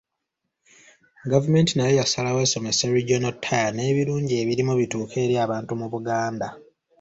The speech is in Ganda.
Gavumenti nayo yasalawo esomese Regional Tier n’ebirungi ebirimu bituuke eri abantu mu Buganda.